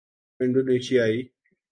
انڈونیثیائی